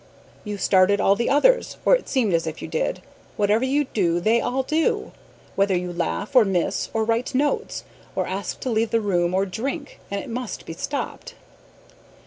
"You started all the others, or it seemed as if you did. Whatever you do they all do, whether you laugh, or miss, or write notes, or ask to leave the room, or drink; and it must be stopped."